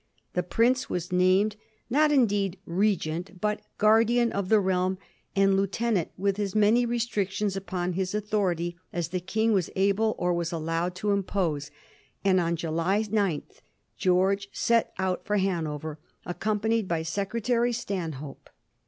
The Prince was named not indeed Regent, but Ouardian of the Kealm and Lieutenant, with as many restrictions upon his authority as the King was able or was allowed to impose, and on July 9 George set out for Hanover, accompanied by Secretary Stanhope.